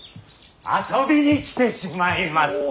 遊びに来てしまいました。